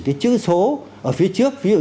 cái chữ số ở phía trước ví dụ